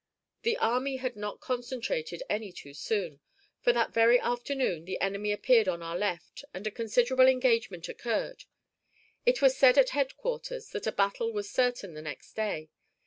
The army had not concentrated any too soon, for that very afternoon the enemy appeared on our left, and a considerable engagement occurred. It was said at headquarters that a battle was certain the next day.